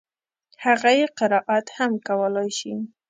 هغه يې قرائت هم کولای شي.